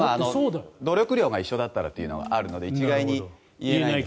努力量が一緒だったらというのがあるので一概には言えないですが。